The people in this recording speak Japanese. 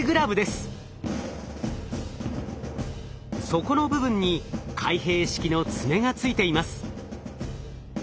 底の部分に開閉式の爪がついています。